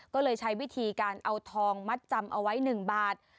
ก็เลยใช้วิธีการเอาทองมัดจำเอาไว้๑บาท